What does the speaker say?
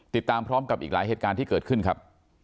ติดตามพร้อมกับอีกหลายเหตุการณ์ที่เกิดขึ้นครับ